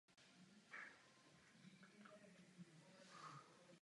Hnízdiště páry zabírají již v únoru a začátkem března začínají se stavbou hnízda.